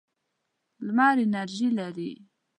لمر انرژي لري.